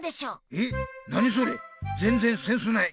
えっ何それぜんぜんセンスない。